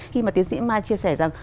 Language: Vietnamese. khi mà tiến sĩ mai chia sẻ rằng